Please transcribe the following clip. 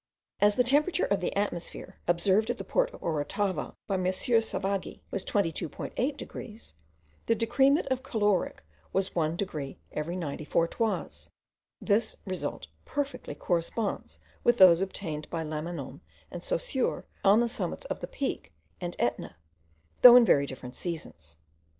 As the temperature of the atmosphere, observed at the port of Orotava by M. Savagi, was 22.8 degrees, the decrement of caloric was one degree every 94 toises. This result perfectly corresponds with those obtained by Lamanon and Saussure on the summits of the Peak and Etna, though in very different seasons.